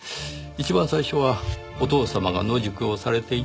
一番最初はお父様が野宿をされていた公園から。